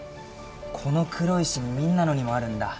この黒いシミみんなのにもあるんだ。